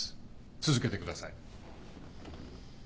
続けてください。